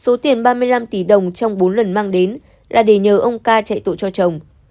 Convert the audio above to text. số tiền ba mươi năm tỷ đồng trong bốn lần mang đến là để nhờ ông ca chạy tội cho chồng